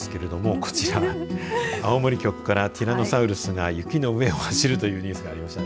こちら青森局からティラノサウルスが雪の上を走るというニュースがありましたね。